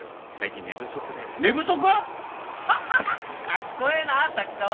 かっこええなあ作家は！